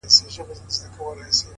د چا د ويښ زړگي ميسج ننوت”